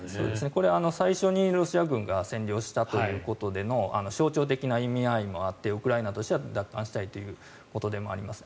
これは最初にロシア軍が占領したということでの象徴的な意味合いということもあってウクライナとしては奪還したいということでもあります。